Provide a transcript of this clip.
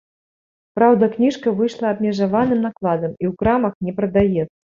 Праўда, кніжка выйшла абмежаваным накладам і ў крамах не прадаецца.